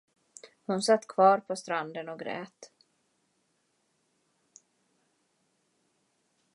Hon satt kvar på stranden och grät.